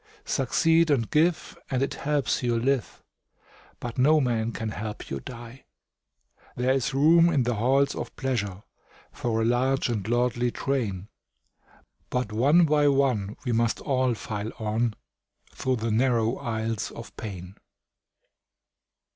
Succeed and give, and it helps you live, But no man can help you die. There is room in the halls of pleasure For a large and lordly train, But one by one we must all file on Through the narrow aisles of pain.